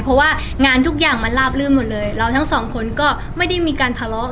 เพราะว่างานทุกอย่างมันลาบลื่นหมดเลยเราทั้งสองคนก็ไม่ได้มีการทะเลาะ